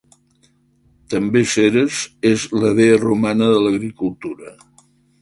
També Ceres és la dea romana de l'agricultura.